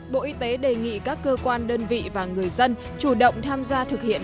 bộ y tế đề nghị các cơ quan đơn vị và người dân chủ động tham gia thực hiện